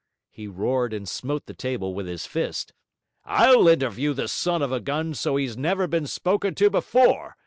he roared and smote the table with his fist. 'I'll interview the son of a gun so's he's never been spoken to before.